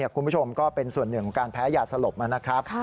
คุณผู้ชมก็เป็นส่วนหนึ่งของการแพ้ยาสลบนะครับ